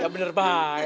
ya bener mai